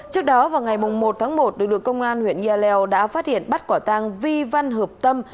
trước đó vào ngày một tháng một lực lượng công an huyện yaleo đã phát hiện bắt quả tang vi văn hợp tâm